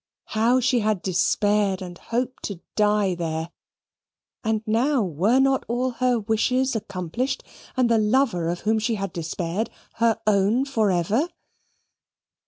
How she had despaired and hoped to die there; and now were not all her wishes accomplished, and the lover of whom she had despaired her own for ever?